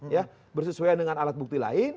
ya bersesuaian dengan alat bukti lain